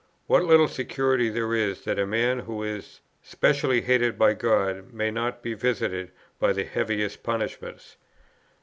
What little security there is that a man who is specially hated by God may not be visited by the heaviest punishments.